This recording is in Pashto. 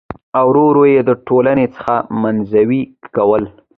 او ور ور يې د ټـولنـې څـخـه منـزوي کـول .